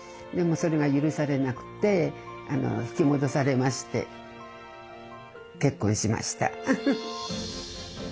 でもそれが許されなくて引き戻されまして結婚しました。